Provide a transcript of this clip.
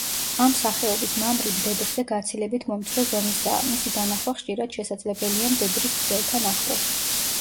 ამ სახეობის მამრი მდედრზე გაცილებით მომცრო ზომისაა, მისი დანახვა ხშირად შესაძლებელია მდედრის ქსელთან ახლოს.